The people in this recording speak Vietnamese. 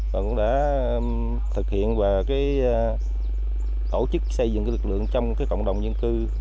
và cũng đã thực hiện và tổ chức xây dựng lực lượng trong cộng đồng dân cư